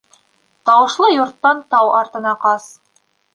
Тауышлы йорттан тау артына ҡас.